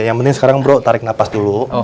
yang penting sekarang bro tarik napas dulu